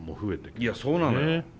いやそうなのよ。